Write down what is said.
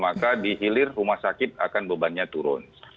maka di hilir rumah sakit akan bebannya turun